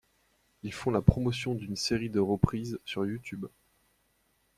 Ils font la promotion d'une série de reprises sur YouTube.